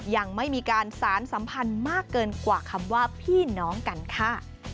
ยังไม่มีการสารสัมพันธ์มากเกินกว่าคำว่าพี่น้องกันค่ะ